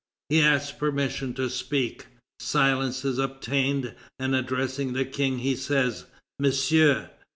He asks permission to speak. Silence is obtained, and, addressing the King, he says: "Monsieur."